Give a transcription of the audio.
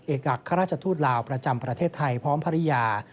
เอกอัครราชทูตลาวประจำประเทศไทยพร้อมภรรยา